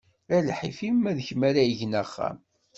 A lḥif-im, ma d kem ara igen axxam!